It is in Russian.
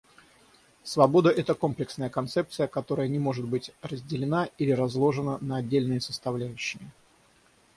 Свобода — это комплексная концепция, которая не может быть разделена или разложена на отдельные составляющие.